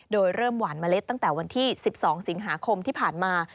โดยเริ่มหวานเมล็ดตั้งแต่วันที่๑๒สิงหาคมที่ผ่านมา